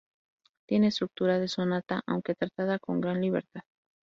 Tiene estructura de sonata, aunque tratada con gran libertad.